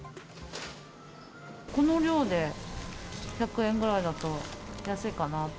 この量で１００円ぐらいだと、安いかなって。